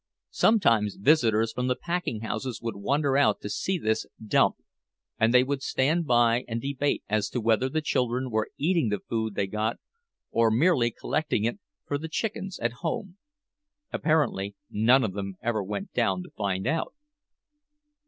Sometimes visitors from the packing houses would wander out to see this "dump," and they would stand by and debate as to whether the children were eating the food they got, or merely collecting it for the chickens at home. Apparently none of them ever went down to find out.